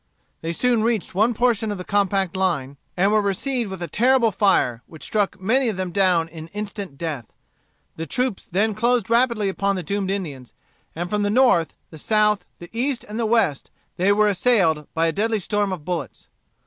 They soon reached one portion of the compact line, and were received with a terrible fire, which struck many of them down in instant death. The troops then closed rapidly upon the doomed Indians, and from the north, the south, the east, and the west, they were assailed by a deadly storm of bullets.